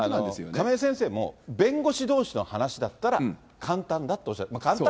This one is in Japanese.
亀井先生も、弁護士どうしの話だったら簡単だっておっしゃってました。